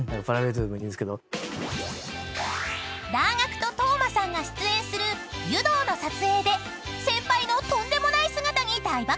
［だーがくと斗真さんが出演する『湯道』の撮影で先輩のとんでもない姿に大爆笑したんだって］